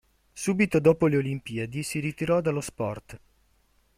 Subito dopo le Olimpiadi si ritirò dallo sport.